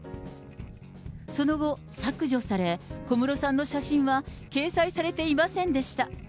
その後、削除され、小室さんの写真は掲載されていませんでした。